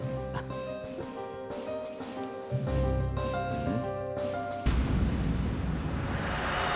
うん？